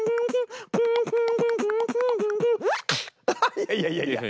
いやいやいやいや！